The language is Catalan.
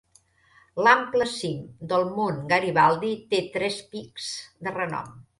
L'ampla cim del mont Garibaldi té tres pics de renom.